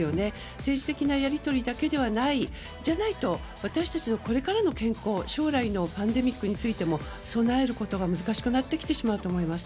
政治的なやり取りだけではないそうじゃないと私たちのこれからの健康将来のパンデミックについても備えることが難しくなってきてしまうと思います。